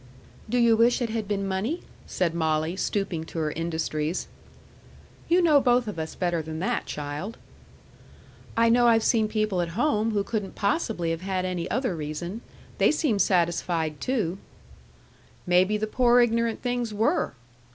"Do you wish it had been money?" said Molly, stooping to her industries. "You know both of us better than that, child." "I know I've seen people at home who couldn't possibly have had any other reason. They seemed satisfied, too." "Maybe the poor ignorant things were!"